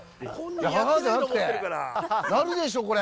ははじゃなくて、なるでしょ、これ。